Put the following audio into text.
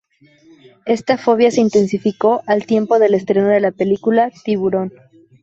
Esta fobia se intensificó al tiempo del estreno de la película "Tiburón".